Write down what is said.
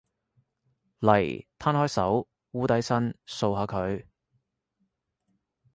嚟，攤開手，摀低身，掃下佢